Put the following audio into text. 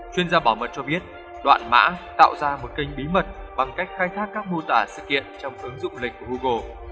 chuyên gia bảo mật cho biết đoạn mã tạo ra một kênh bí mật bằng cách khai thác các mô tả sự kiện trong ứng dụng lịch của google